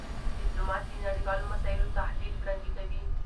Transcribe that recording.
ډيپلومات د نړېوالو مسایلو تحلیل وړاندې کوي.